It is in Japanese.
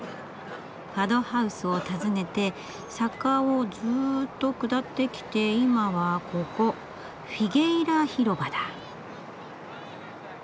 ファドハウスを訪ねて坂をずっと下ってきて今はここ「フィゲイラ広場」だ。